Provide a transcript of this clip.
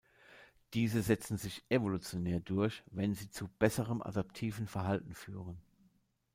Diese setzen sich evolutionär durch, wenn sie zu besserem adaptiven Verhalten führen.